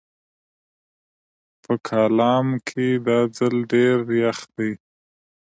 په کالام کې دا ځل ډېر يخ دی